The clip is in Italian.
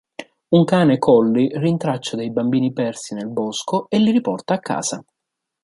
Un cane collie rintraccia dei bambini persi nel bosco e li riporta a casa.